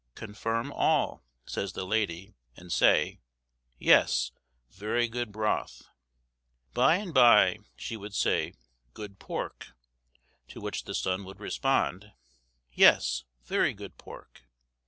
"Confirm all," says the lady, and say, "Yes, very good broth." By and bye, she would say, "Good pork;" to which the son would respond, "Yes, very good pork."